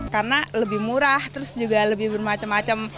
karena lebih murah terus juga lebih bermacam macam